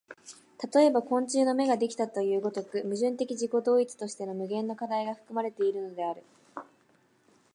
例えば昆虫の眼ができたという如く、矛盾的自己同一として無限の課題が含まれているのである。